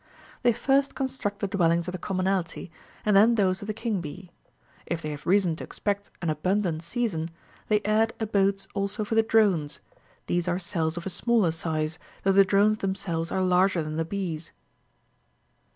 (11.) They first construct the dwellings of the commonalty, and then those of the king bee. If they have reason to expect an abundant25 season, they add abodes also for the drones: these are cells of a smaller size, though the drones themselves are larger than the bees.